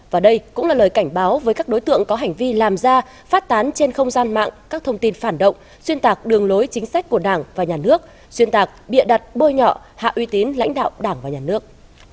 và đây cũng là lời cảnh báo với các đối tượng có hành vi làm ra phát tán trên không gian mạng các thông tin phản động xuyên tạc đường lối chính sách của đảng và nhà nước xuyên tạc bịa đặt bôi nhọ hạ uy tín lãnh đạo đảng và nhà nước